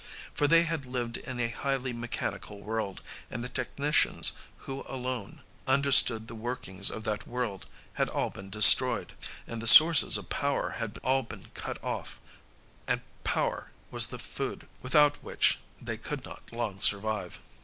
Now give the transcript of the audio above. ... For they had lived in a highly mechanical world, and the technicians who alone understood the workings of that world had all been destroyed, and the sources of power had all been cut off and power was the food without which they could not long survive.